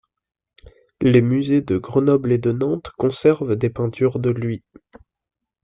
Les musées de Grenoble et de Nantes conservent des peintures de lui.